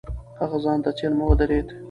هغه ځان ته څېرمه ودرېد.